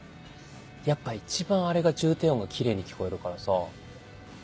やっぱ一番あれが重低音がキレイに聴こえるからさ。